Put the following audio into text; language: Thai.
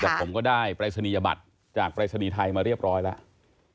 แต่ผมก็ได้ปรายศนียบัตรจากปรายศนีย์ไทยมาเรียบร้อยแล้ว